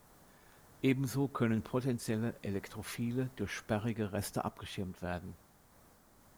Ebenso können potentielle Elektrophile durch sperrige Reste abgeschirmt werden.